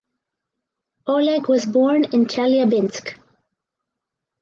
Oleg was born in Chelyabinsk.